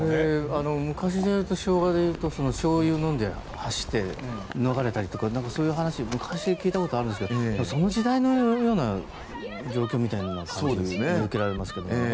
昔でいうとしょうゆを飲んで走って逃れたりとかそういう話を昔、聞いたことがあるんですがその時代のような状況みたいになっていると見受けられますけどね。